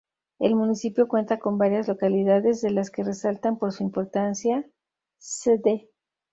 El Municipio cuenta con varias localidades, de las que resaltan por su importancia: Cd.